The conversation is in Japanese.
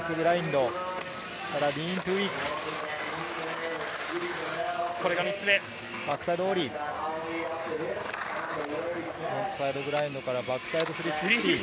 フロントサイドグラインドからバックサイド３６０。